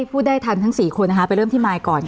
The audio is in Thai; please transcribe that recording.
พูดได้ทันทั้ง๔คนนะคะไปเริ่มที่มายก่อน